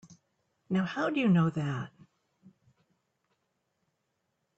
Now how'd you know that?